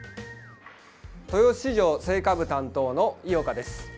豊洲青果部担当の井岡です。